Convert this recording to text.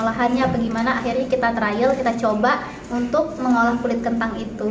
olahannya bagaimana akhirnya kita trial kita coba untuk mengolah kulit kentang itu